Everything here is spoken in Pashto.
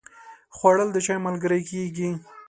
خوړل د چای ملګری کېږي